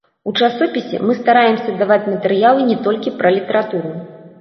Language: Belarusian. У часопісе мы стараемся даваць матэрыялы не толькі пра літаратуру.